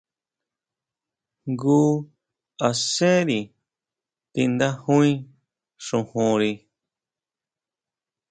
Jngu asenri tindajui xojonri.